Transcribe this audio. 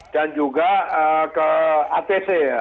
dan juga ke atc ya